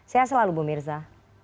sehat selalu bu mirza